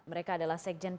mereka adalah sekjen partai